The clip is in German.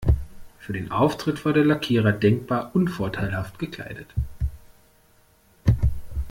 Für den Auftritt war der Lackierer denkbar unvorteilhaft gekleidet.